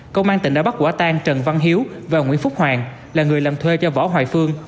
công an tỉnh đã bắt quả tang trần văn hiếu và nguyễn phúc hoàng là người làm thuê cho võ hoài phương